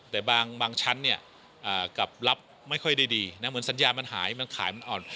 แต่บางชั้นเนี่ยกลับรับไม่ค่อยได้ดีนะเหมือนสัญญามันหายมันขายมันอ่อน